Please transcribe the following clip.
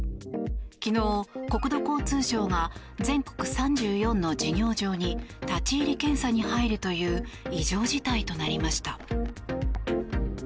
昨日、国土交通省が全国３４の事業場に立ち入り検査に入るという異常事態となりました。